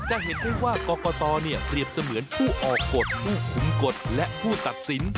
จะเห็นได้ว่ากรกตเปรียบเสมือนผู้ออกกฎผู้คุมกฎและผู้ตัดสิน